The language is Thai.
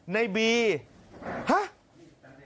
ในบีเหรอ